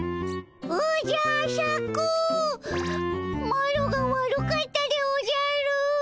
マロが悪かったでおじゃる。